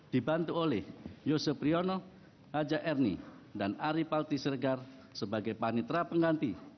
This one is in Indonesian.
dibantu oleh yusuf riono haja erni dan ari palti sergar sebagai panitra pengganti